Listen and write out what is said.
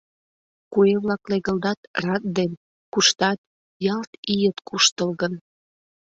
Куэ-влак легылдат рат ден, куштат, ялт ийыт куштылгын.